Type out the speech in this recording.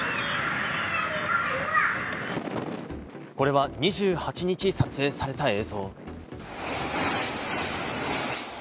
これは２８日、撮影された映像。